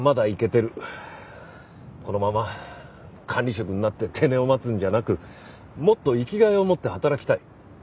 このまま管理職になって定年を待つんじゃなくもっと生きがいを持って働きたい。